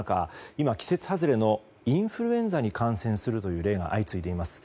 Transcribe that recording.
今、季節外れのインフルエンザに感染するという例が相次いでいます。